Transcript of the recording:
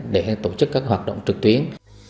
để tổ chức các hoạt động trực tuyến